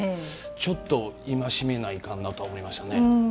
ちょっと、戒めないかんなとは思いましたけどね。